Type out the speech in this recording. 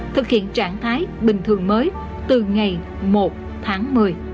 thực hiện trạng thái bình thường mới từ ngày một tháng một mươi